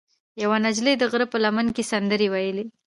یوه نجلۍ د غره په لمن کې سندرې ویلې.